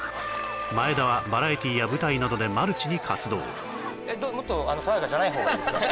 前田はバラエティや舞台などでマルチに活動もっとさわやかじゃない方がいいですか？